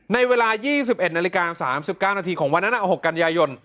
ในเวลายี่สิบเอ็ดนาฬิกาสามสิบก้านนาทีของวันนั้นอ่ะหกกันยายน